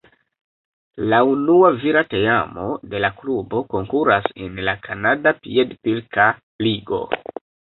La unua vira teamo de la klubo konkuras en la Kanada piedpilka ligo.